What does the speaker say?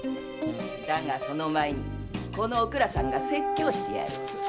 だがその前にこのおくらさんが説教してやる。